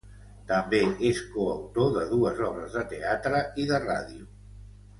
També és coautor de dues obres de teatre i de ràdio.